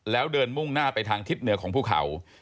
แล้วเดินมุ่งหน้าไปทางทิศเหนือของภูเขา